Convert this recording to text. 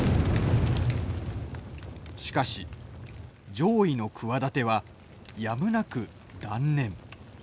しかし攘夷の企てはやむなく断念。